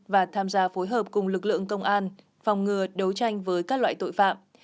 và tham gia phối hợp cùng lực lượng công an phòng ngừa đấu tranh với các loại tội phạm